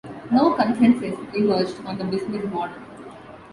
No consensus emerged on the business model.